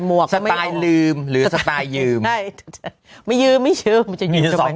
หมวกก็ไม่ออกสไตล์ลืมหรือสไตล์ยืมไม่ยืมไม่ยืมมันจะยืมมีสอง